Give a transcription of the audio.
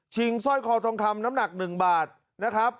สร้อยคอทองคำน้ำหนัก๑บาทนะครับ